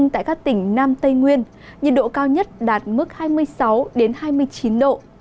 tại các tỉnh nam tây nguyên nhiệt độ cao nhất đạt mức hai mươi sáu hai mươi chín độ